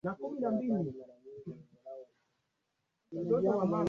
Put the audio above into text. msemaji wa baraza hilo bi elizabeth brellal